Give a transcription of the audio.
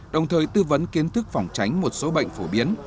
đồng thời tư vấn kiến thức phòng tránh một số bệnh phổ biến